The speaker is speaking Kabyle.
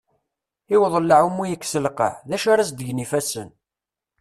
I uḍellaε umi yekkes lqaε, d acu ara s-d-gen yifassen?